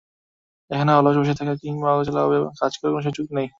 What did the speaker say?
এখানে অলস বসে থাকার কিংবা অগোছালোভাবে কাজ করার কোনো সুযোগ নেই।